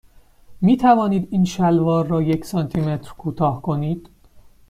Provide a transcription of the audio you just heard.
می توانید این شلوار را یک سانتی متر کوتاه کنید؟